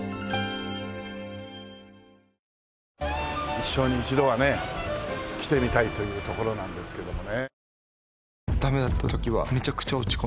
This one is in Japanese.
一生に一度はね来てみたいという所なんですけどもね。